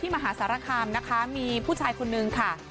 มหาสารคาร์มมีผู้ชายคนนึงขา